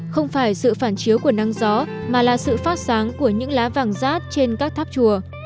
không phải sự phản chiếu của nắng gió mà là sự phát sáng của những lá vàng rát trên các tháp chùa